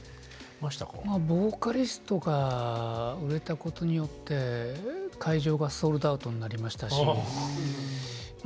まあ「ＶＯＣＡＬＩＳＴ」が売れたことによって会場がソールドアウトになりましたしま